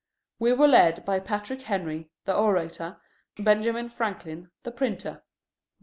We were led by Patrick Henry, the orator, Benjamin Franklin, the printer.